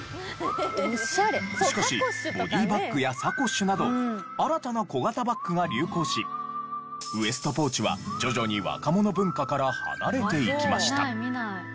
しかしボディバッグやサコッシュなど新たな小型バッグが流行しウエストポーチは徐々に若者文化から離れていきました。